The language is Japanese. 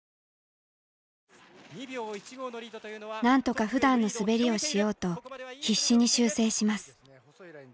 なんとかふだんの滑りをしようと必死に修正します。